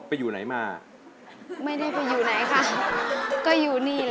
ไม่เคยลืมคำคนลำลูกกา